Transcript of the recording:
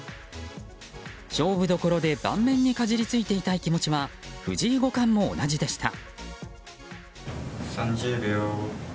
勝負所で盤面にかじりついていたい気持ちは藤井五冠も同じでした。